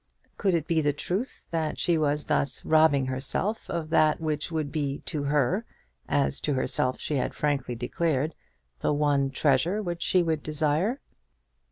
Could it be the truth that she was thus robbing herself of that which would be to her, as to herself she had frankly declared, the one treasure which she would desire?